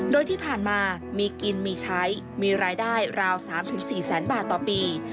โดยที่ผ่านมามีกินมีใช้มีรายได้ราว๓๔แสนบาทต่อปี